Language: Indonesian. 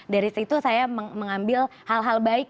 dari situ saya mengambil hal hal baik